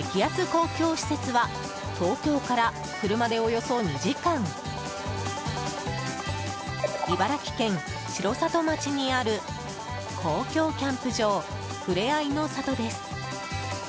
公共施設は東京から車でおよそ２時間茨城県城里町にある公共キャンプ場ふれあいの里です。